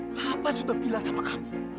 bapak sudah bilang sama kamu